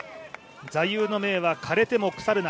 座右の銘は「枯れても腐るな」。